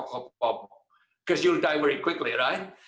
karena kamu akan mati dengan cepat kan